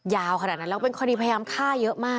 ยาวขนาดนั้นแล้วเป็นคดีพยายามฆ่าเยอะมาก